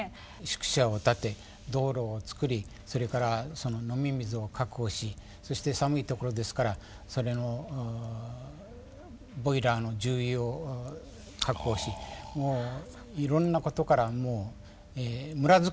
宿舎を建て道路を造りそれから飲み水を確保しそして寒い所ですからそれのボイラーの重油を確保しもういろんなことからもう村づくりから始まったわけですから。